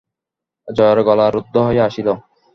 জয়ার গলা রুদ্ধ হইয়া আসিল।